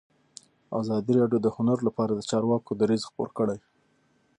ازادي راډیو د هنر لپاره د چارواکو دریځ خپور کړی.